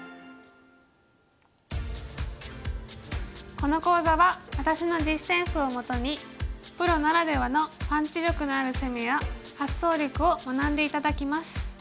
この講座は私の実戦譜をもとにプロならではのパンチ力のある攻めや発想力を学んで頂きます。